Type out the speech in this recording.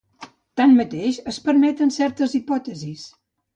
Tanmateix es permeten certes hipòtesis.